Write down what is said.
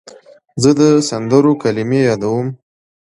زه د سندرو کلمې یادوم.